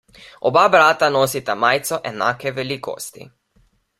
Oba brata nosita majico enake velikosti.